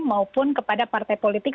maupun kepada partai politik